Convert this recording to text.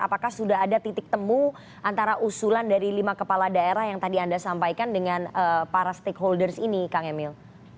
apakah sudah ada titik temu antara usulan dari lima kepala daerah yang tadi anda sampaikan dengan para stakeholders ini kang emil